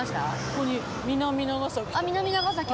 ここに南長崎とか。